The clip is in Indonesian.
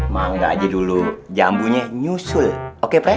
makan saja dulu jambunya nyusul oke pren